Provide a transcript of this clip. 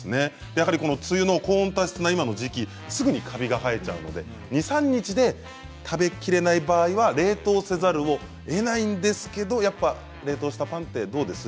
やはり梅雨の高温多湿な今の時期すぐにカビが生えちゃうので２３日で食べきれない場合は冷凍せざるをえないんですけどやっぱ冷凍したパンってどうです？